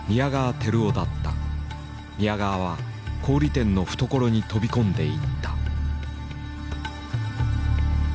宮川は小売店の懐に飛び込んでいった。